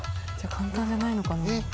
簡単じゃないのかな。